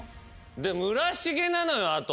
村重なのよあと。